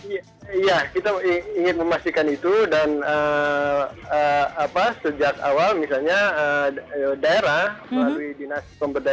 iya kita ingin memastikan itu dan sejak awal misalnya daerah melalui dinas pemberdayaan